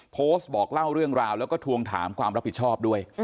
โพสต์บอกเล่าเรื่องราวแล้วก็ทวงถามความรับผิดชอบด้วย